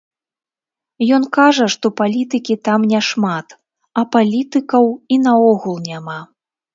Ён кажа, што палітыкі там няшмат, а палітыкаў і наогул няма.